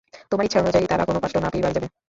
তোমার ইচ্ছানুযায়ী তারা কোন কষ্ট না পেয়েই বাড়ি যাবে?